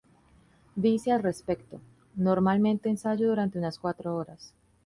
Dice al respecto "Normalmente ensayo durante unas cuatro horas.